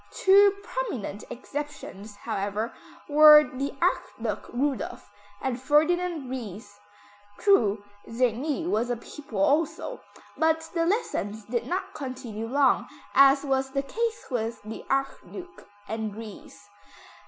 Two prominent exceptions, however, were the Archduke Rudolph and Ferdinand Ries. True, Czerny was a pupil also, but the lessons did not continue long, as was the case with the Archduke and Ries.